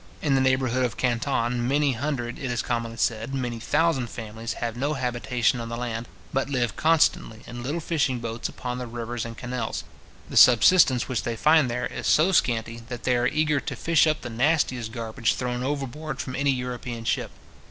In the neighbourhood of Canton, many hundred, it is commonly said, many thousand families have no habitation on the land, but live constantly in little fishing boats upon the rivers and canals. The subsistence which they find there is so scanty, that they are eager to fish up the nastiest garbage thrown overboard from any European ship.